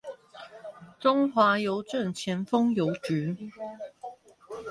中華郵政前峰郵局